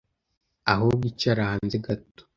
ahubwo icara aha nze gato…